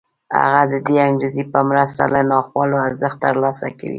هغه د دې انګېزې په مرسته له ناخوالو ارزښت ترلاسه کوي